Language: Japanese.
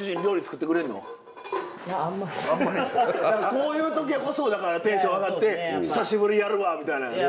こういう時こそテンション上がって久しぶりやるわみたいな。